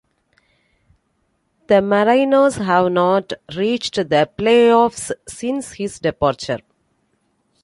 The Mariners have not reached the playoffs since his departure.